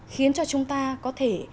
khiến cho chúng ta có thể